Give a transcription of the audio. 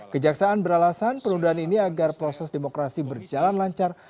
kejaksaan beralasan penundaan ini agar proses demokrasi berjalan lancar